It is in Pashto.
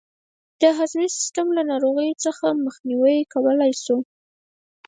د هضمي سیستم له ناروغیو څخه مخنیوی کولای شو.